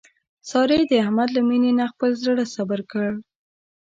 سارې د احمد له مینې نه خپل زړه صبر کړ.